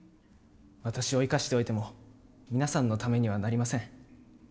私を生かしておいても皆さんのためにはなりません。